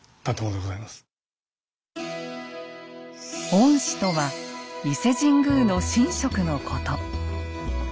「御師」とは伊勢神宮の神職のこと。